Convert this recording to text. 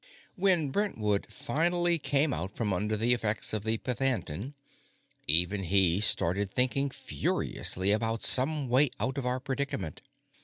When Brentwood finally came out from under the effects of the pythantin, even he started thinking furiously about some way out of our predicament.